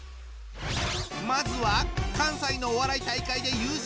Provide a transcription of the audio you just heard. まずは関西のお笑い大会で優勝！